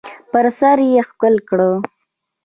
پر سر یې ښکل کړ .